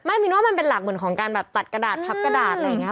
มินว่ามันเป็นหลักเหมือนของการแบบตัดกระดาษพับกระดาษอะไรอย่างนี้